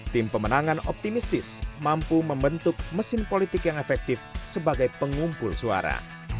tim pemenangan optimistis mampu membentuk mesin politik yang efektif sebagai pengumpul suara